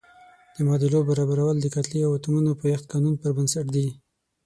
د معادلو برابرول د کتلې او اتومونو د پایښت قانون پر بنسټ دي.